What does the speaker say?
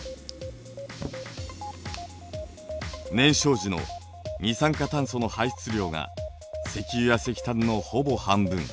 燃焼時の二酸化炭素の排出量が石油や石炭のほぼ半分。